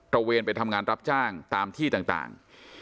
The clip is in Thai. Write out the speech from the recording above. ระเวนไปทำงานรับจ้างตามที่ต่าง